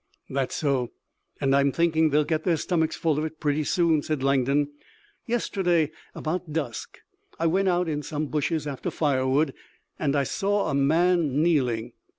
"That's so, and I'm thinking they'll get their stomachs full of it pretty soon," said Langdon. "Yesterday about dusk I went out in some bushes after firewood, and I saw a man kneeling.